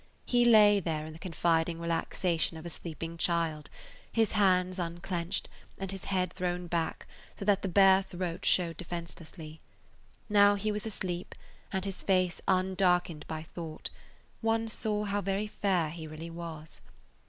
He lay there in the confiding relaxation of a sleeping child, his hands unclenched, and his head thrown back so that the bare throat showed defenselessly. Now he was asleep and his face undarkened by thought, one saw how very fair he really was.